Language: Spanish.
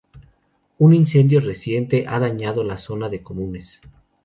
Un incendio reciente ha dañado la zona de comunes.